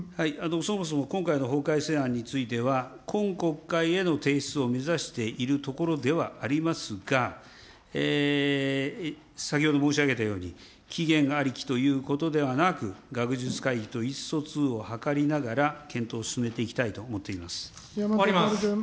そもそも今回の法改正案については、今国会への提出を目指しているところではありますが、先ほど申し上げたように、期限ありきということではなく、学術会議と意思疎通を図りながら検討を進めていきたいと思ってい終わります。